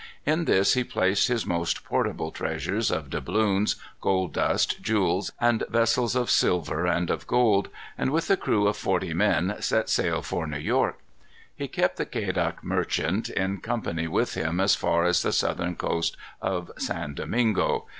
In this he placed his most portable treasures of doubloons, gold dust, jewels, and vessels of silver and of gold, and with a crew of forty men set sail for New York. He kept the Quedagh Merchant in company with him as far as the southern coast of San Domingo.